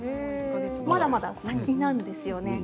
まだまだ先なんですよね。